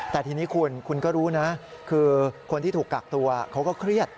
แต่ทีนี้คุณคุณก็รู้นะคือคนที่ถูกกักตัวเขาก็เครียด